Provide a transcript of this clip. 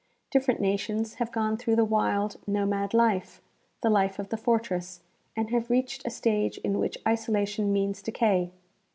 Different nations have gone through the wild, nomad life, the life of the fortress, and have reached a stage in which isolation means decay.